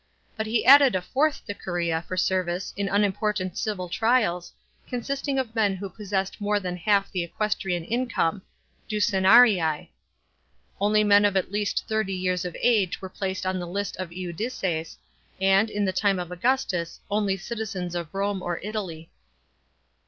But he added a fourth decuria for service in unimportant civil trials, consisting ot men who possessed more than half the equestrian income (ducenarii). Only men of at least thirty years of age were placed on the list of iudices, and, in the time of Augustus, only citizens of Rome or Italy.